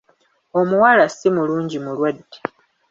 Omuwala si mulungi mulwadde!